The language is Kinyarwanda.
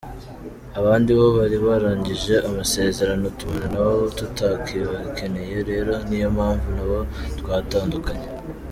Abandi bo bari bararangije amasezerano tubona nabo tutakibakeneye rero niyo mpamvu nabo twatandukanye.